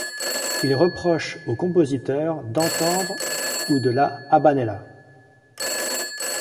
Ils reprochent aux compositeurs d'entendre ou de la habanera.